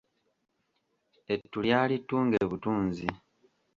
Ettu lyali ttunge butunzi.